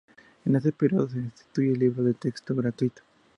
En este periodo se instituye el Libro de Texto Gratuito.